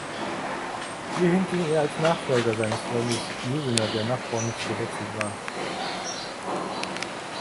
Hierhin ging er als Nachfolger seines Freundes Usener, der nach Bonn gewechselt war.